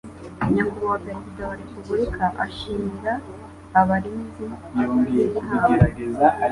nyakubahwa perezida wa repubulika ashimira abarinzi b igihango